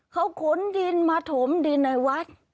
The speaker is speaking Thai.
เขาขนดินมาถมดินในวัด